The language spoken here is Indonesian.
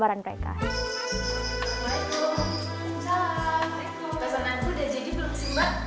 pasaran aku udah jadi belum sebuah